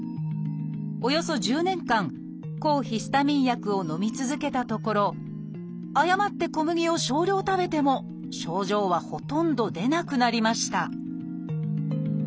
およそ１０年間抗ヒスタミン薬をのみ続けたところ誤って小麦を少量食べても症状はほとんど出なくなりました